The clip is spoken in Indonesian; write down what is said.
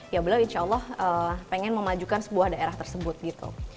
ya beliau insya allah pengen memajukan sebuah daerah tersebut gitu